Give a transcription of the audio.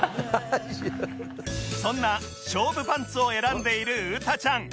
そんな勝負パンツを選んでいる詩多ちゃん